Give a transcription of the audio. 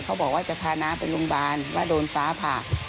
เขาบอกว่าจะพาน้าไปโรงพยาบาลว่าโดนฟ้าผ่า